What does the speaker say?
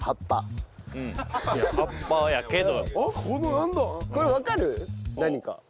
いや葉っぱやけど。